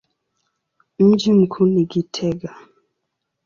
Mji mkuu ni Gitega.